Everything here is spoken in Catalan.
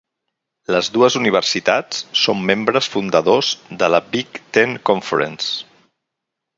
Les dues universitats són membres fundadors de la Big Ten Conference.